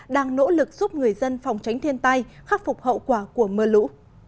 đang nỗ lực giúp người dân phòng tránh thiên tai khắc phục hậu quả của mưa lũ